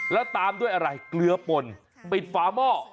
แล้วตามด้วยอะไรเกลือป่นปิดฝาหม้อ